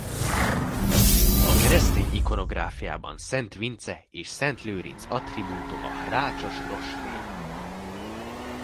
A keresztény ikonográfiában Szent Vince és Szent Lőrinc attribútuma rácsos rostély.